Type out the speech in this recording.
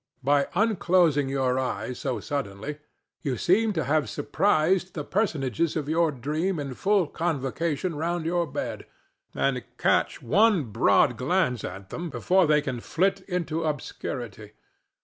By unclosing your eyes so suddenly you seem to have surprised the personages of your dream in full convocation round your bed, and catch one broad glance at them before they can flit into obscurity.